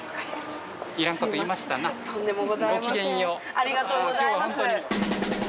ありがとうございます。